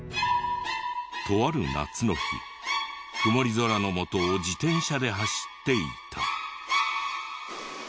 とある夏の日曇り空の下を自転車で走っていた。